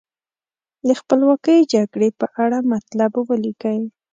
د خپلواکۍ جګړې په اړه مطلب ولیکئ.